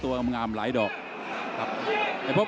ตามต่อยกที่๓ครับ